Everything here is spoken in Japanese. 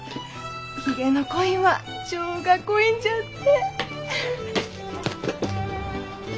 ヒゲの濃いんは情が濃いんじゃって。